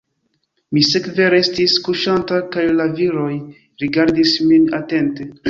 Mi sekve restis kuŝanta kaj la viroj rigardis min atente.